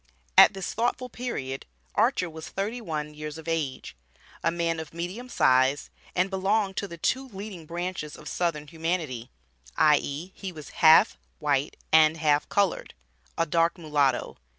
At this thoughtful period, Archer was thirty one years of age, a man of medium size, and belonged to the two leading branches of southern humanity, i.e., he was half white and half colored a dark mulatto.